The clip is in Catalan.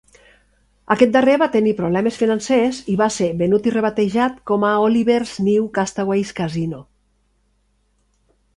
Aquest darrer va tenir problemes financers i va ser venut i rebatejat com a Oliver's New Castaways Casino.